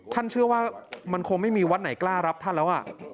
เชื่อว่ามันคงไม่มีวัดไหนกล้ารับท่านแล้ว